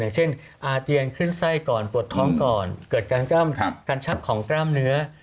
เช่นอาเจียนขึ้นไส้ก่อนปวดท้องก่อนเกิดการชับของกล้ามเนื้อ